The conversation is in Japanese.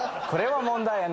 これは問題。